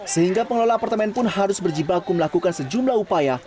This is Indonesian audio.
sehingga pengelola apartemen pun harus berjibaku melakukan sejumlah upaya